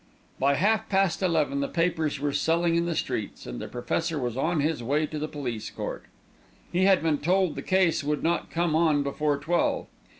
By half past eleven the papers were selling in the streets, and the Professor was on his way to the police court. He had been told the case would not come on before twelve.